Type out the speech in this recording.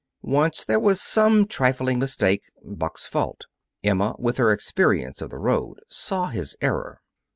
Once there was some trifling mistake Buck's fault. Emma, with her experience of the road, saw his error.